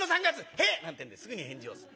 「へえ！」なんてんですぐに返事をする。